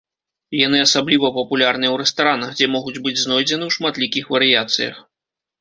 Яны асабліва папулярныя ў рэстаранах, дзе могуць быць знойдзены ў шматлікіх варыяцыях.